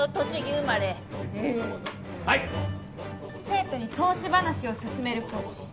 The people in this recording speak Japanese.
生徒に投資話を勧める講師。